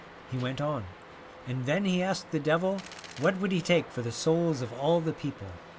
He went on, ' And then he asked the devil what would he take for the souls of all the people.